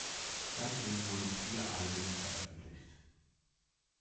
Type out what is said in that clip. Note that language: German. Seitdem wurden vier Alben veröffentlicht.